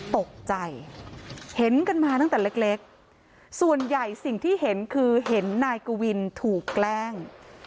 ตกใจเห็นกันมาตั้งแต่เล็กส่วนใหญ่สิ่งที่เห็นคือเห็นนายกวินถูกแกล้ง